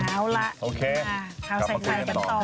เอาล่ะข่าวสัญญาณบันเทิงนะคะ